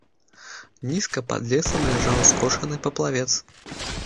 Нізка пад лесам ляжаў скошаны паплавец.